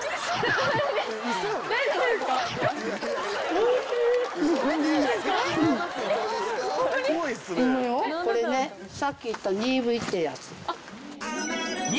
これねさっき言ったニーブイってやつ。